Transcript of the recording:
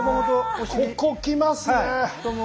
ここきますね！